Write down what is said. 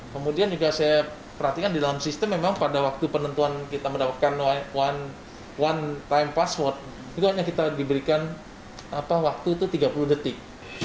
kemudian juga saya perhatikan di dalam sistem memang pada waktu penentuan kita mendapatkan one time password itu hanya kita diberikan waktu itu tiga puluh detik